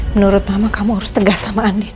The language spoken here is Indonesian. menurut mama kamu harus tegas sama andi